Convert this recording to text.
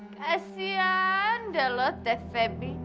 kasian dah lo teh febi